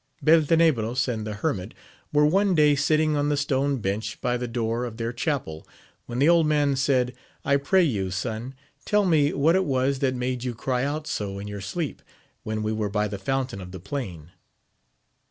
ELTENEBROS and the hermit were one day sitting on the stone bench by the door of their chapel, when the old man said, I pray you, son, tell me what it was that made you cry out so in your sleep, when we were by the fountain of the plain